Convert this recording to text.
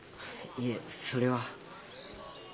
いえそれは。